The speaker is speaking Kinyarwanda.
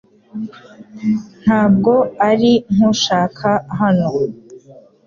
Ntabwo ari nkushaka hano .